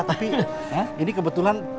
tapi ini kebetulan